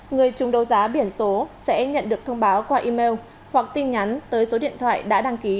người chúng đấu giá biển số sẽ nhận được thông báo qua email hoặc tin nhắn tới số điện thoại đã đăng ký